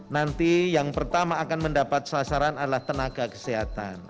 nanti yang pertama akan mendapat sasaran adalah tenaga kesehatan